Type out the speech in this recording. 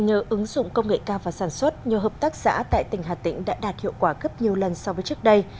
nhờ ứng dụng công nghệ cao và sản xuất nhiều hợp tác xã tại tỉnh hà tĩnh đã đạt hiệu quả gấp nhiều lần so với trước đây